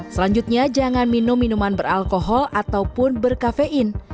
selanjutnya jangan minum minuman beralkohol ataupun berkafein